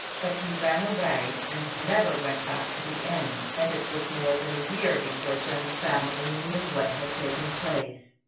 But he ran away and never went back to the inn; and it was more than a year before Jen's family knew what had taken place.